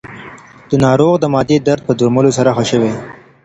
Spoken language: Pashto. د ناروغ د معدې درد په درملو سره ښه شو.